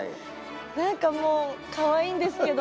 何かもうかわいいんですけど。